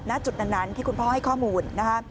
หน้าจุดนั้นที่คุณพ่อให้ข้อมูล